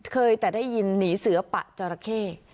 เคยแต่ได้ยินหนีเสือปะจราเข้